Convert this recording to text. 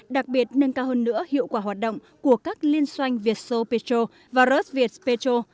đặc biệt nâng cao hơn nữa hiệu quả hoạt động của các liên xoanh vietso petro và rosviet petro